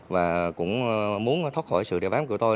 và cũng muốn thoát khỏi sự đeo bám của tôi